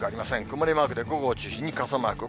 曇りマークで、午後を中心に傘マーク。